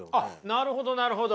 なるほどなるほど。